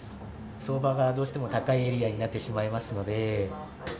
相場がどうしても高いエリアになってしまいますので。